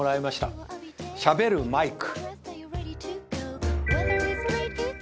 しゃべるマイク。